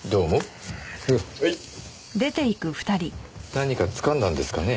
何かつかんだんですかね？